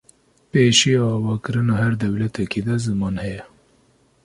pêşiya avakirina her dewletêkî de ziman heye